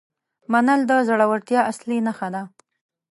منل د زړورتیا اصلي نښه ده.